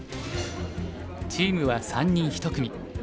チームは３人１組。